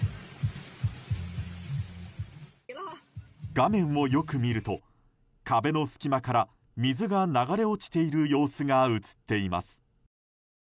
画面をよく見ると壁の隙間から水が流れ落ちている様子が映っています。